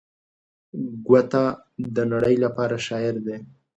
ګوته د نړۍ لپاره شاعر دی.